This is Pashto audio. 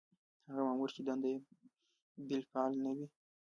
هغه مامور چې دنده یې بالفعل نه وي.